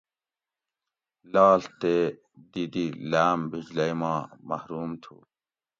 لاڷ تے دی دی لاۤم بجلئی ما محروم تُھو